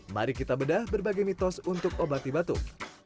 mari kita bedah berbagai mitos untuk obat ibaran